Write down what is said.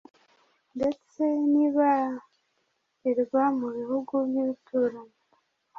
ndetse nibarirwa mu bihugu by’ibituranyi